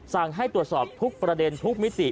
สั่งให้ตรวจสอบทุกประเด็นทุกมิติ